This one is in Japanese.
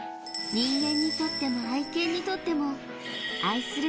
人間にとっても愛犬にとってもでした